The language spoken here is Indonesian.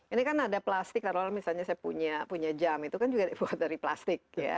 ini kan ada plastik kalau misalnya saya punya jam itu kan juga dibuat dari plastik ya